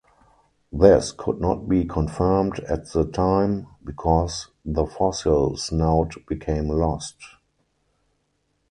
This could not be confirmed at the time because the fossil snout became lost.